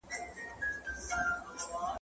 چي نه شرنګ وي د سازیانو نه مستي وي د رندانو `